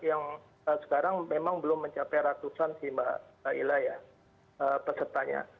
yang sekarang memang belum mencapai ratusan sih mbak ila ya pesertanya